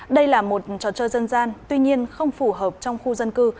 đây là một trò chơi dân gian tuy nhiên không phù hợp trong khu dân cư